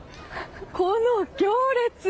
この行列。